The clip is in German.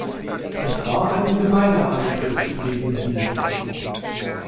Es war ein gemeiner Angriff gegen sie.